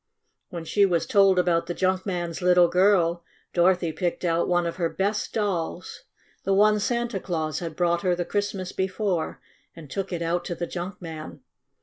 When she was told about the junk man's little girl, Dorothy picked out one of her best dolls — the one Santa Claus had brought her the Christmas before — and took it out to the junk man.